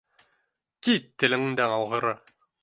— Кит, телеңдән алғыры.